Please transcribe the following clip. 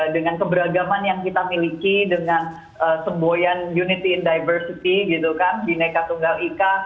dengan keberagaman yang kita miliki dengan semboyan unity and diversity gitu kan bineka tunggal ika